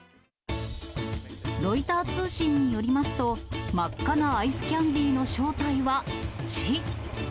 ロイター通信によりますと、真っ赤なアイスキャンディーの正体は血。